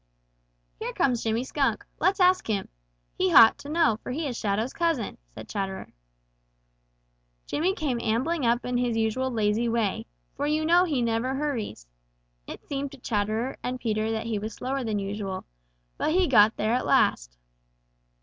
"Here comes Jimmy Skunk. Let's ask him. He ought to know, for he is Shadow's cousin," said Chatterer. Jimmy came ambling up in his usual lazy way, for you know he never hurries. It seemed to Chatterer and Peter that he was slower than usual. But he got there at last.